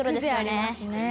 「風情ありますね」